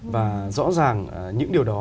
và rõ ràng những điều đó